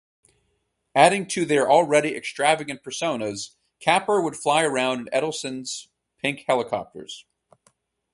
Adding to their already extravagant personas, Capper would fly around in Edelsten's pink helicopters.